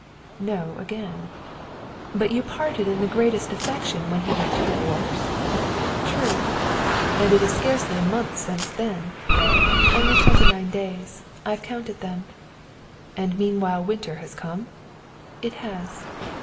("No!" again). "But you parted in the greatest affection when he went to the wars?" "True." "And it is scarcely a month since then." "Only twenty nine days, I've counted them." "And meanwhile winter has come?" "It has."